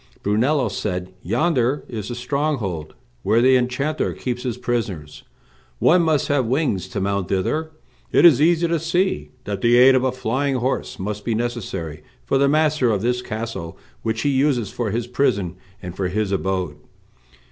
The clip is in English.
Brunello said, "Yonder is the stronghold where the enchanter keeps his prisoners; one must have wings to mount thither; it is easy to see that the aid of a flying horse must be necessary for the master of this castle, which he uses for his prison and for his abode."